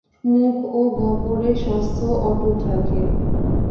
মুখ ও গহ্বরের স্বাস্থ্যও অটুট রাখে।